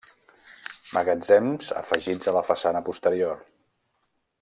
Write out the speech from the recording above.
Magatzems afegits a la façana posterior.